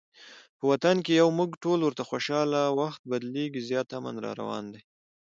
په وطن کې یو مونږ ټول ورته خوشحاله، وخت بدلیږي زیاتي امن راروان دی